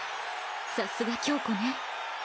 さすが今日子ね。